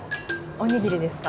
おにぎりですか？